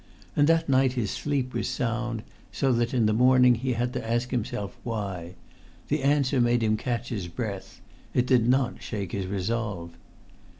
And that night his sleep was sound, so that in the morning he had to ask himself why; the answer made him catch his breath; it did not shake his resolve.